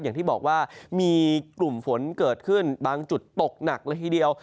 อย่างที่บอกว่ามีกลุ่มฝนเกิดขึ้นบางจุดตกหนักเลยทีเดียว